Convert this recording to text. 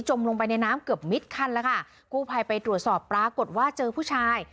ลงไปในน้ำเกือบมิดคันแล้วค่ะกู้ภัยไปตรวจสอบปรากฏว่าเจอผู้ชาย